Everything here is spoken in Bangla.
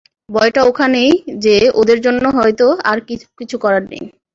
ভয়টা এখানেই যে ওদের জন্য হয়তো আর কিছু করার নেই!